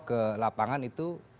ke lapangan itu